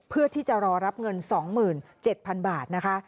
เพื่อที่จะรอรับเงิน๒๗๐๐๐บาทนะคะ